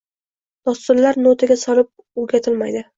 Dostonlar notaga solib o‘rgatilmaydi